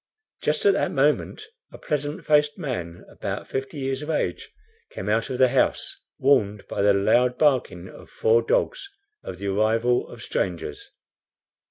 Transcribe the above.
Just at that moment a pleasant faced man, about fifty years of age, came out of the house, warned, by the loud barking of four dogs, of the arrival of strangers.